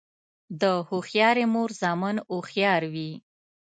د هوښیارې مور زامن هوښیار وي.